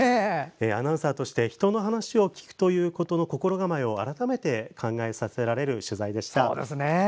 アナウンサーとして人の話を聞くということの心構えを改めて考えさせられる取材でした。